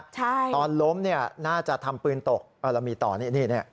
ใช่ตอนล้มน่าจะทำปืนตกเอาละมีต่อนี่นี่